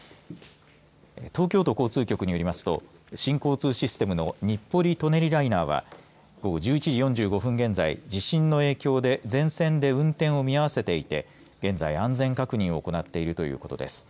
東京都交通局によりますと新交通システムの日暮里舎人ライナーは午後１１時４５分現在地震の影響で全線で運転を見合わせていて現在、安全確認を行っているということです。